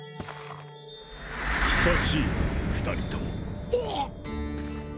久しいな２人とも。